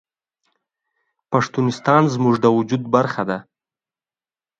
پښتونستان زموږ د وجود برخه ده